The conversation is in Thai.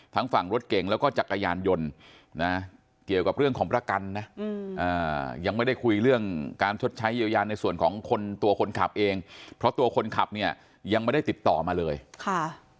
ฝั่งรถเก่งแล้วก็จักรยานยนต์นะเกี่ยวกับเรื่องของประกันนะยังไม่ได้คุยเรื่องการชดใช้เยียวยาในส่วนของคนตัวคนขับเองเพราะตัวคนขับเนี่ยยังไม่ได้ติดต่อมาเลยค่ะ